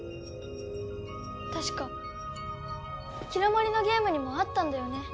たしかキラもりのゲームにもあったんだよね？